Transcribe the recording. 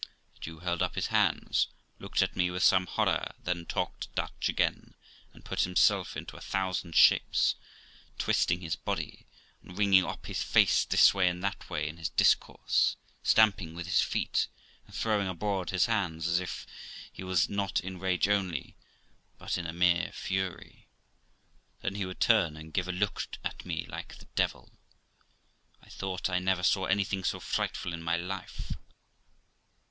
The Jew held up his hands, looked at me with some horror, then talked Dutch again, and put himself into a thousand shapes, twisting his body and wringing up his face this way and that way in his discourse, stamping with his feet, and throwing abroad his hands, as if he was not in rage only, but in a mere fury. Then he would turn and give a look at me like the devil. I thought I never saw anything so frightful in my life.